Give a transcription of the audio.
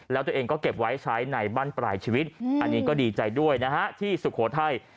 แล้วตัวเองก็เก็บไว้ใช้ในบ้านปลายชีวิตอันนี้ก็ดีใจด้วยนะฮะที่สุโขทัย